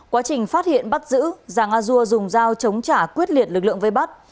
quá trình phát hiện bắt giữ giàng a dua dùng dao chống trả quyết liệt lực lượng vây bắt